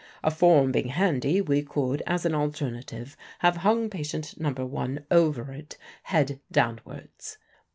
A form being handy, we could, as an alternative, have hung Patient No. 1 over it, head downwards."